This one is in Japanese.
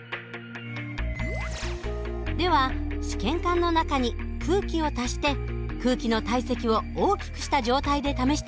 では試験管の中に空気を足して空気の体積を大きくした状態で試してみましょう。